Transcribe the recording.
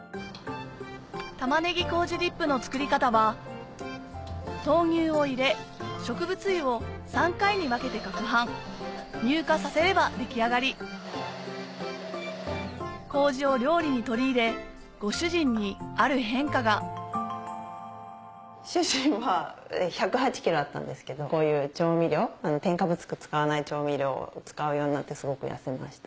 玉ねぎ麹ディップの作り方は豆乳を入れ植物油を３回に分けてかくはん乳化させれば出来上がり麹を料理に取り入れご主人にある変化がこういう調味料添加物とか使わない調味料を使うようになってすごく痩せました。